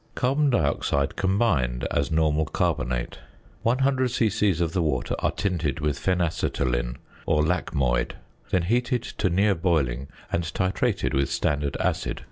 ~Carbon Dioxide combined~ as normal carbonate. 100 c.c. of the water are tinted with phenacetolin or lacmoid; then heated to near boiling, and titrated with standard acid.